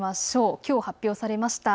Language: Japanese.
きょう発表されました。